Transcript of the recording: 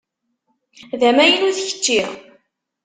D amaynut kečči?